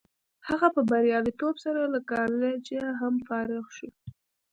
هغه په بریالیتوب سره له کالجه هم فارغ شو